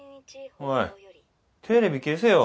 おいテレビ消せよ。